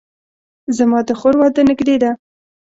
زما د خور واده نږدې ده